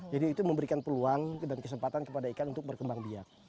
jadi itu memberikan peluang dan kesempatan kepada ikan untuk berkembang biak